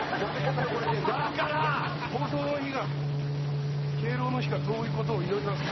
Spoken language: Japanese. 放送の日が敬老の日から遠い事を祈ります。